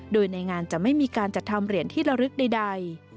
โดยในงานจะไม่มีการจัดทำเหรียญที่ระลึกใด